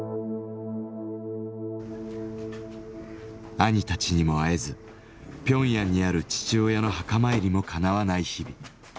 兄たちにも会えずピョンヤンにある父親の墓参りもかなわない日々。